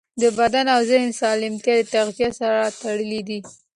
د بدن او ذهن سالمیت د تغذیې سره تړلی دی.